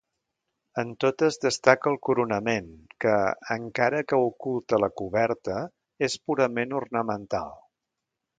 En totes destaca el coronament que, encara que oculta la coberta, és purament ornamental.